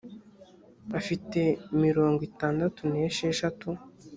afite mirongo itandatu n’esheshatu.